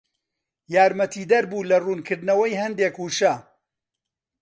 یارمەتیدەر بوو لە ڕوونکردنەوەی هەندێک وشە